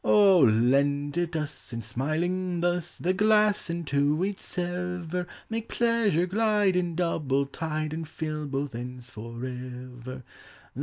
Oh. lend it us, And, smiling thus, The glass in two we 'd sever, Make pleasure glide In double tide, And fill both ends for ever!